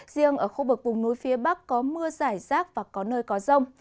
riêng ở khu vực vùng núi phía bắc có mưa giải rác và có nơi có rông